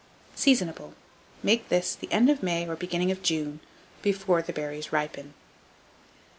Seasonable. Make this the end of May or beginning of June, before the berries ripen.